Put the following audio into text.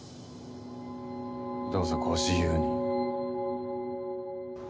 どうぞご自由に。